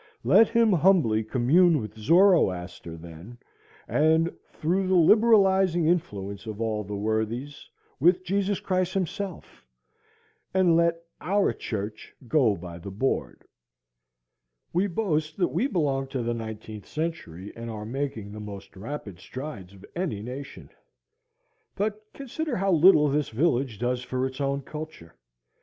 Let him humbly commune with Zoroaster then, and through the liberalizing influence of all the worthies, with Jesus Christ himself, and let "our church" go by the board. We boast that we belong to the nineteenth century and are making the most rapid strides of any nation. But consider how little this village does for its own culture.